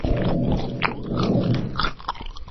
下列就将该作品的角色做一番介绍。